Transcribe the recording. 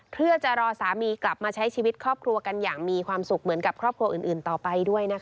เพื่อจะรอสามีกลับมาใช้ชีวิตครอบครัวกันอย่างมีความสุขเหมือนกับครอบครัวอื่นต่อไปด้วยนะคะ